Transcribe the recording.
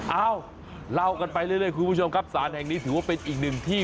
เอ้าเล่ากันไปเรื่อยคุณผู้ชมครับสารแห่งนี้ถือว่าเป็นอีกหนึ่งที่